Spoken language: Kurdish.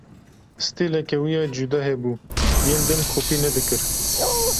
Stîleke wî ya cuda hebû, yên din kopî nedikir.